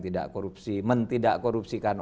tidak korupsi mentidak korupsikan